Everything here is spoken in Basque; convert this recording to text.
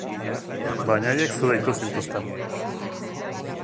Baina haiek zu deitu zintuzten.